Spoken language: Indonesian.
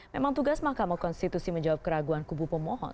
memang tugas mahkamah konstitusi menjawab keraguan kubu pemohon